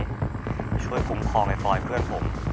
และช่วยพุ่มคลองให้พ่อเพื่อนผม